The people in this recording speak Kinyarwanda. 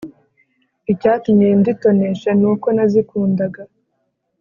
Icyatumye nditonesha nuko nazikundaga